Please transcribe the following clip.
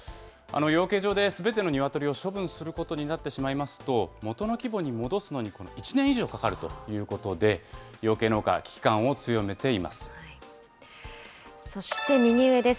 養鶏場ですべてのニワトリを処分することになってしまいますと、元の規模に戻すのに１年以上かかるということで、養鶏農家、危機そして、右上です。